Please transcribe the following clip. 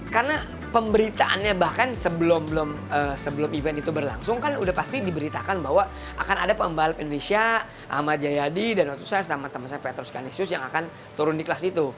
karena pemberitaannya bahkan sebelum event itu berlangsung kan udah pasti diberitakan bahwa akan ada pembalap indonesia ahmad jayadi dan sama temen saya petrus canisius yang akan turun di kelas itu